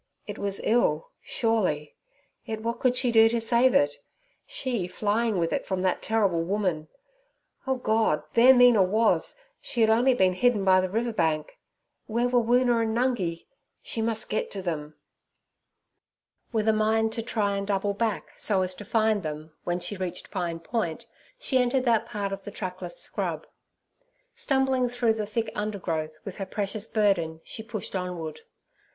It was ill, surely; yet what could she do to save it—she flying with it from that terrible woman? O God! there Mina was; she had only been hidden by the river bank. Where were Woona and Nungi? She must get to them. With a mind to try and double back so as to find them, when she reached Pine Point, she entered that part of the trackless scrub. Stumbling through the thick undergrowth with her precious burden, she pushed onward.